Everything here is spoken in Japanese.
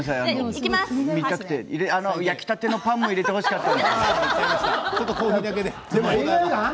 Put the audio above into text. あの焼きたてのパンも入れてほしかった。